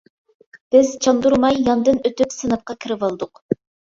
بىز چاندۇرماي ياندىن ئۆتۈپ سىنىپقا كىرىۋالدۇق.